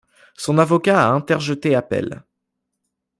Son avocat a interjeté appel.